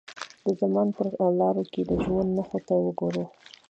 د زمان پر لارو که د ژوند نښو ته وګورو.